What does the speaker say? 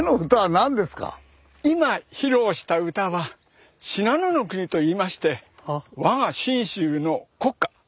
今披露した歌は「信濃の国」といいましてわが信州の国歌。